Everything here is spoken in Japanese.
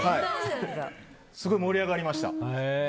すごい盛り上がりまりた。